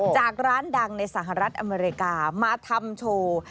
จากร้านดังในสหรัฐอเมริกามาทำโชว์